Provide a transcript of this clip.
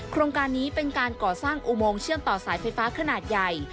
โครงการนี้เป็นการก่อสร้างอุโมงเชื่อมต่อสายไฟฟ้าขนาดใหญ่